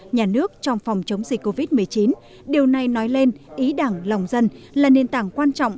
nhà nước trong phòng chống dịch covid một mươi chín điều này nói lên ý đảng lòng dân là nền tảng quan trọng